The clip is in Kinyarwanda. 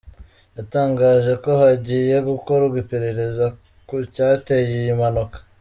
Yatangaje ko hagiye gukorwa iperereza ku cyateye iyi mpanuka.